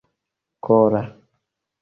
kora